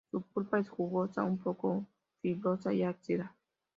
Su pulpa es jugosa, un poco fibrosa y ácida.